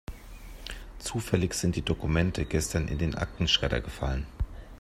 Zufällig sind die Dokumente gestern in den Aktenschredder gefallen.